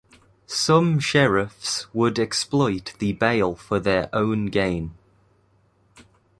Some sheriffs would exploit the bail for their own gain.